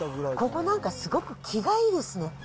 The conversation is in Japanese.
ここなんか、すごく気がいいですね。